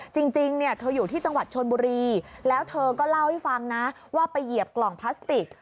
จริงเนี่ยเธออยู่ที่จังหวัดชนบุรีแล้วเธอก็เล่าให้ฟังนะว่าไปเหยียบกล่องพลาสติก